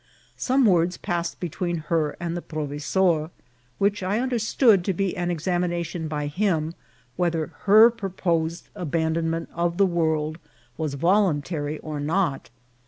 Some words passed betwemi her and the provesor, which I understood to be an ex amination by him whether her proposed abandonment of the world was voluntary or not.